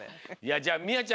じゃあみあちゃん